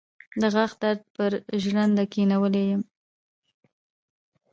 د غاښ درد پر ژرنده کېنولی يم.